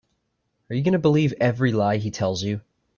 Are you going to believe every lie he tells you?